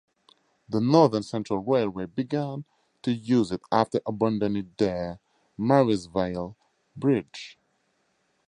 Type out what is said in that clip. The Northern Central Railway began to use it after abandoning their Marysville Bridge.